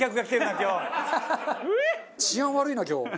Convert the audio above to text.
治安悪いな今日。